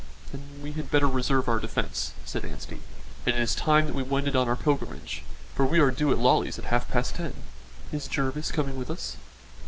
"Then we had better reserve our defence," said Anstey; "and it is time that we wended on our pilgrimage, for we are due at Lawley's at half past ten. Is Jervis coming with us?"